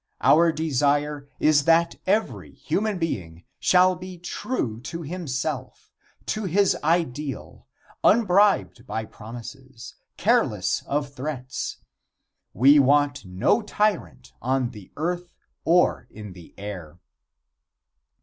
Our desire is that every human being shall be true to himself, to his ideal, unbribed by promises, careless of threats. We want no tyrant on the earth or in the air.